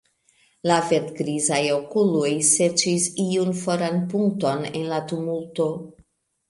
La verd-grizaj okuloj serĉis iun foran punkton en la tumulto.